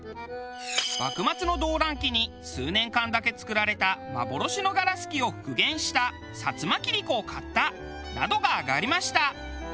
幕末の動乱期に数年間だけ作られた幻のガラス器を復元した摩切子を買ったなどが挙がりました。